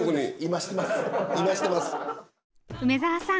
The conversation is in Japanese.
梅沢さん